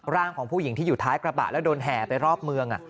ร่างของผู้หญิงที่อยู่ท้ายกระบะแล้วโดนแห่ไปรอบเมือง